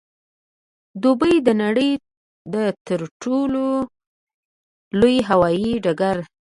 دوبۍ د نړۍ د تر ټولو لوی هوايي ډګر